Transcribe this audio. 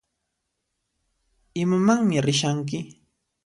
Imamanmi rishanki?